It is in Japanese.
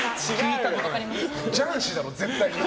雀士だろ、絶対に。